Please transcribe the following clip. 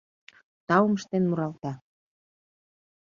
Таум ыштен муралта.